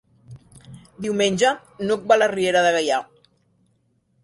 Diumenge n'Hug va a la Riera de Gaià.